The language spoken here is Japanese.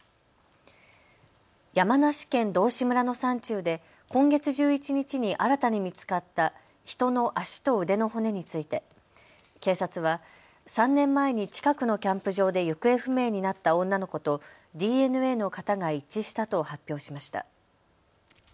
山梨県道志村の山中で今月１１日に新たに見つかった人の足と腕の骨について警察は３年前に近くのキャンプ場で行方不明になった女の子とＤＮＡの型が一致したと発表しました。